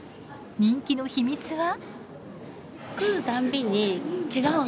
人気の秘密は。